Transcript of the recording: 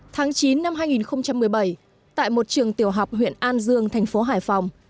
tháng chín năm hai nghìn một mươi bảy tại một trường tiểu học huyện an dương thành phố hải phòng